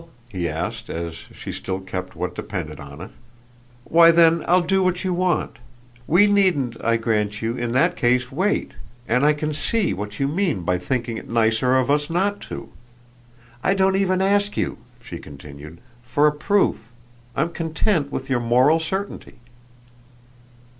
he asked as she still kept what depended on it. "Why then I'll do what you want. We needn't, I grant you, in that case wait; and I can see what you mean by thinking it nicer of us not to. I don't even ask you," she continued, "for a proof. I'm content with your moral certainty."